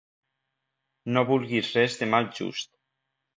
No vulguis res de mal just.